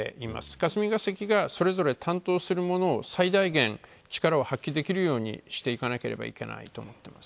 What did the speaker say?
霞が関が、それぞれ担当するものを最大限、力を発揮できるようにしていかなければいけないと思います。